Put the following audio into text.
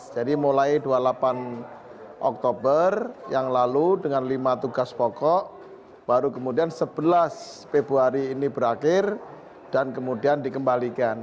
jadi mulai dua puluh delapan oktober yang lalu dengan lima tugas pokok baru kemudian sebelas februari ini berakhir dan kemudian dikembalikan